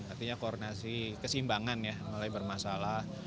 artinya koordinasi kesimbangan ya mulai bermasalah